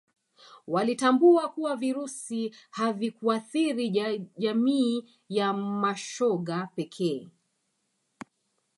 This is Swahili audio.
walitambua kuwa virusi havikuathiri jamii ya mashoga pekee